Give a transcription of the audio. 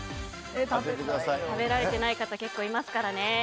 食べられていない方結構いますからね。